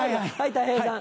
たい平さん。